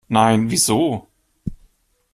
Nein, wieso?